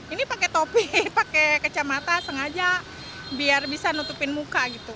ini pake topi pake kecamata sengaja biar bisa nutupin muka gitu